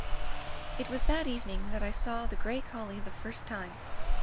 "It was that evening that I saw the gray collie the first time.